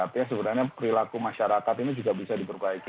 artinya sebenarnya perilaku masyarakat ini juga bisa diperbaiki